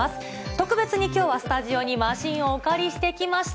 特別にきょうはスタジオにマシンをお借りしてきました。